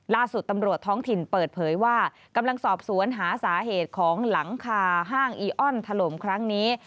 ล่าสุดตำรวจท้องถิ่นเปิดเผยว่ากำลังสอบสวนหาสาเหตุของหลังคาห้างอีออนถล่มครั้งนี้